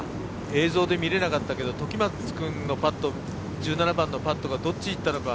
映像で見れなかったけど時松君のパット、１７番のパットがどっちに行ったのか。